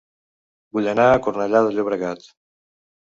Vull anar a Cornellà de Llobregat